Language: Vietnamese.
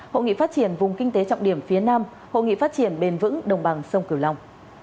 hội nghị phát triển vùng kinh tế trọng điểm phía nam hội nghị phát triển bền vững đồng bằng sông cửu long